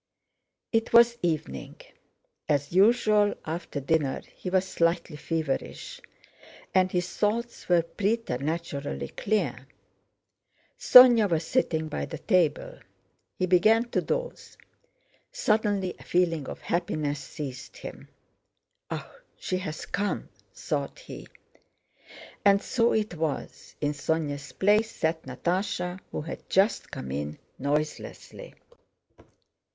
It was evening. As usual after dinner he was slightly feverish, and his thoughts were preternaturally clear. Sónya was sitting by the table. He began to doze. Suddenly a feeling of happiness seized him. "Ah, she has come!" thought he. And so it was: in Sónya's place sat Natásha who had just come in noiselessly.